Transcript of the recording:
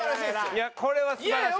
いやこれは素晴らしい。